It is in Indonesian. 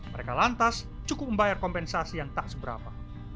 mereka lantas cukup membayar kompensasi yang tak seberapa